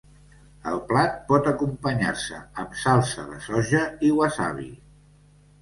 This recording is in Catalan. El plat pot acompanyar-se amb salsa de soja i wasabi.